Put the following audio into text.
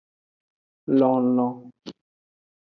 Lonlon.